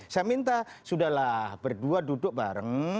saya minta sudah lah berdua duduk bareng